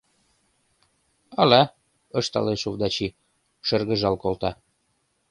— Ала, — ышталеш Овдачи, шыргыжал колта.